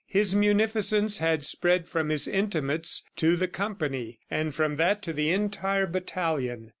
His munificence had spread from his intimates to the company, and from that to the entire battalion.